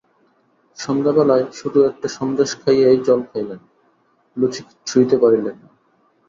সন্ধ্যাবেলায় শুধু একটা সন্দেশ খাইয়াই জল খাইলেন, লুচি ছুঁইতে পারিলেন না।